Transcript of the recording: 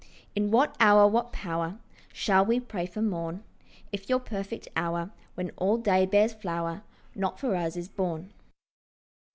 In what hour what power Shall we pray for morn, If your perfect hour, When all day bears flower, Not for us is born?